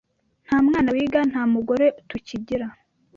Nta mwana wiga, nta mugore tukigira